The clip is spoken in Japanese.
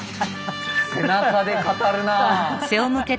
背中で語るなぁ。